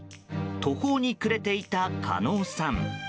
途方に暮れていた加納さん。